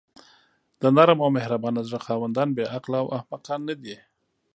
د نرم او مهربانه زړه خاوندان بې عقله او احمقان ندي.